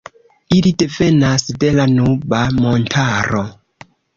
Ili devenas de la Nuba-montaro.